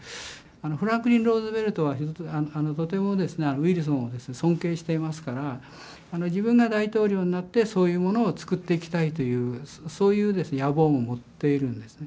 フランクリン・ルーズベルトはとてもウィルソンを尊敬していますから自分が大統領になってそういうものを作っていきたいというそういう野望も持っているんですね。